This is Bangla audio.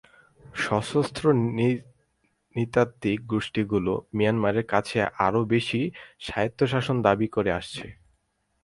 সশস্ত্র ক্ষুদ্র নৃতাত্ত্বিক গোষ্ঠীগুলো মিয়ানমারের কাছে আরও বেশি স্বায়ত্তশাসন দাবি করে আসছে।